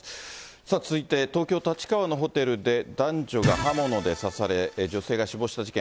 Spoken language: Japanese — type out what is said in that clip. さあ、続いて、東京・立川のホテルで、男女が刃物で刺され、女性が死亡した事件。